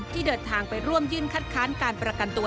ที่เดินทางไปร่วมยื่นคัดค้านการประกันตัว